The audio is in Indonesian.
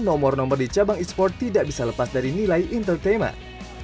nomor nomor di cabang e sport tidak bisa lepas dari nilai entertainment